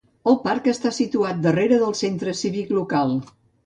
El parc està situat darrere del centre cívic local.